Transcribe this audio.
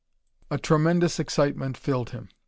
A tremendous excitement filled him.